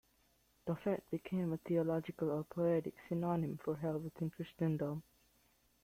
Tophet became a theological or poetic synonym for hell within Christendom.